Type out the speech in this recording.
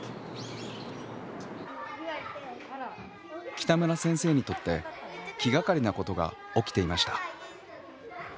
北村先生にとって気がかりなことが起きていました。